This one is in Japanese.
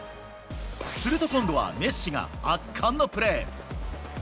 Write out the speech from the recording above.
すると今度はメッシが圧巻のプレー。